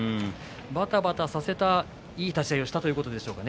ばたばたさせた、いい立ち合いをしたということですか。